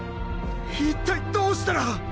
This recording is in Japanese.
一体どうしたら。